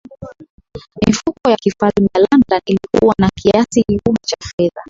mifuko ya kifalme ya london ilikuwa na kiasi kikubwa cha fedha